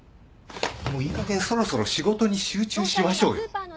もういいかげんそろそろ仕事に集中しましょうよ。